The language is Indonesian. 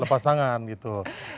lepas tangan gitu